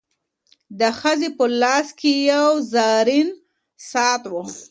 د ښځي په لاس کي یو زرین ساعت و.